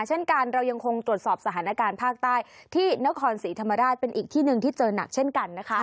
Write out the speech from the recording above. เช่นกันเรายังคงตรวจสอบสถานการณ์ภาคใต้ที่นครศรีธรรมราชเป็นอีกที่หนึ่งที่เจอหนักเช่นกันนะคะ